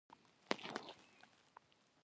سندره د زړه خواله ده